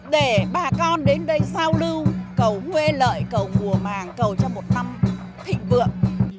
để bà con đến đây giao lưu cầu nguyên lợi cầu mùa màng cầu cho một năm thịnh vượng